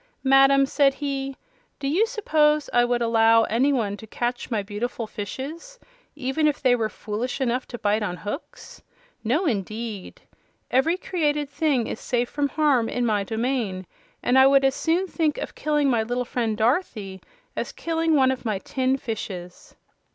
"Madam," said he, "do you suppose I would allow anyone to catch my beautiful fishes, even if they were foolish enough to bite on hooks? No, indeed! Every created thing is safe from harm in my domain, and I would as soon think of killing my little friend Dorothy as killing one of my tin fishes."